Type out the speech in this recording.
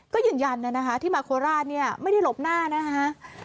ก็ยืนยันนะคะที่มาโคราชเนี่ยไม่ได้หลบหน้านะคะ